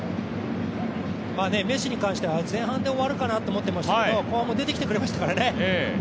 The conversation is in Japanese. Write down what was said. メッシに関しては前半で終わるかなと思っていましたけど後半も出てきてくれましたからね。